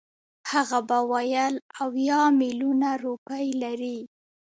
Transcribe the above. هغه به ویل اویا میلیونه روپۍ لري.